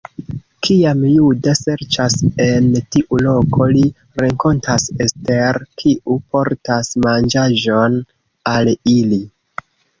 Kiam Juda serĉas en tiu loko, li renkontas Ester, kiu portas manĝaĵon al ili.